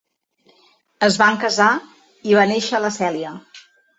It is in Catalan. Es van casar i va néixer la Celia.